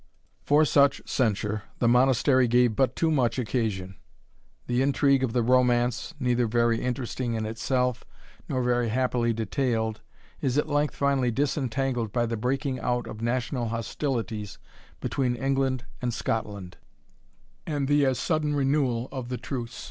For such censure the Monastery gave but too much occasion. The intrigue of the Romance, neither very interesting in itself, nor very happily detailed, is at length finally disentangled by the breaking out of national hostilities between England and Scotland, and the as sudden renewal of the truce.